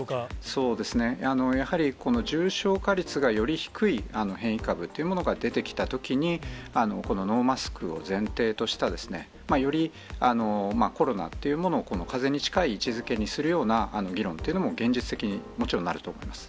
そうですね、やはりこの重症化率がより低い変異株というものが出てきたときに、このノーマスクを前提とした、よりコロナというものを、このかぜに近い位置づけにするような議論というのも、現実的にもちろんなると思います。